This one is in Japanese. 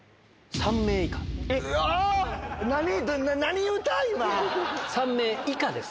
３名以下です。